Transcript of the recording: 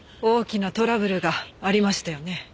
大きなトラブルがありましたよね。